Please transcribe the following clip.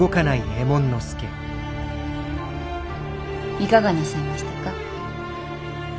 いかがなさいましたか。